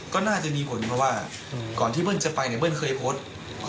ก็น่าจะมีผลเพราะว่าก่อนที่เบิ้ลจะไปเนี่ยเบิ้ลเคยโพสต์